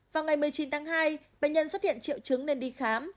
vào ngày một mươi chín tháng hai bệnh nhân xuất hiện triệu chứng nên đi khám